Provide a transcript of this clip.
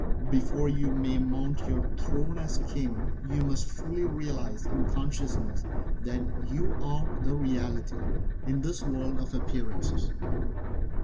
Before you may mount your throne as King, you must fully realize in consciousness that you are the Reality in this world of appearances.